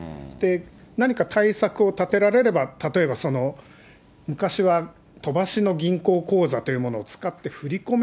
何か対策を立てられれば、例えば、昔は飛ばしの銀行口座というものを使って振り込め